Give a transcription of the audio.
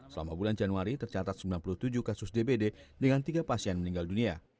selama bulan januari tercatat sembilan puluh tujuh kasus dbd dengan tiga pasien meninggal dunia